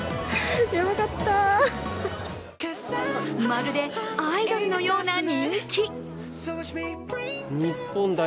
まるで、アイドルのような人気。